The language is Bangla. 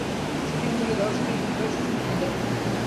শ্যুটিং ধ্বনি দাও, শ্যুটিং ধ্বনি দাও, শ্যুটিং ধ্বনি দাও।